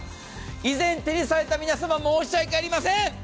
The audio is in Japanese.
以前、手にされた皆様、申し訳ありません。